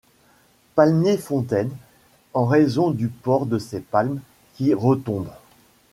Palmier fontaine, en raison du port de ses palmes qui retombent.